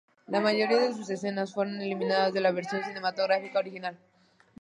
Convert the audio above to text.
La mayoría de sus escenas fueron eliminadas de la versión cinematográfica original.